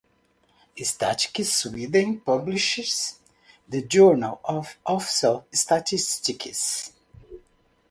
Statistics Sweden publishes the "Journal of Official Statistics".